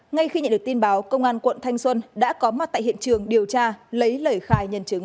ngay khi nhận được tin báo công an quận thanh xuân đã có mặt tại hiện trường điều tra lấy lời khai nhân chứng